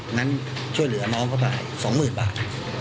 งั้นช่วยเหลือน้ำน้องเข้าไปสองหมื่นบาท